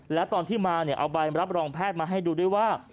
และตอนที่มาเอาใบรับรองแพทย์มาให้ดูด้วยว่า